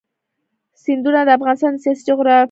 سیندونه د افغانستان د سیاسي جغرافیه برخه ده.